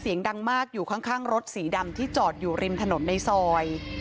เสียงดังมากอยู่ข้างรถสีดำที่จอดอยู่ริมถนนในซอย